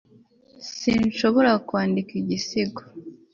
sinshobora kwandika igisigo